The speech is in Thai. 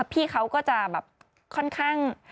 พี่เขาก็จะแบบค่อนข้าง